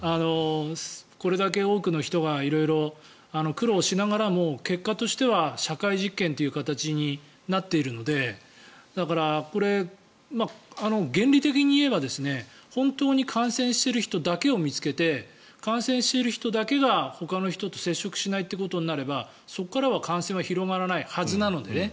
これだけ多くの人が色々、苦労しながらも結果としては社会実験という形になっているのでだから、これ原理的に言えば本当に感染している人だけを見つけて感染している人だけがほかの人と接触しないということになればそこからは感染は広がらないはずなので。